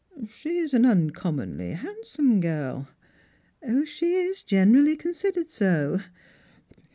" She's an uncommonly handsome girl." " She is generally considered so."